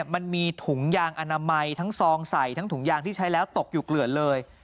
มันมีถุงยางอนามัยทั้งซองใส่ทั้งถุงยางที่ใช้แล้วตกอยู่เกลือนเลย